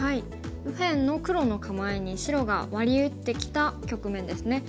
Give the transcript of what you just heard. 右辺の黒の構えに白がワリ打ってきた局面ですね。